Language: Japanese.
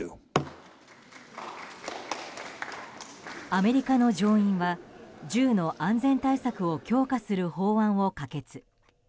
アメリカの上院は銃の安全対策を強化する法案を可決。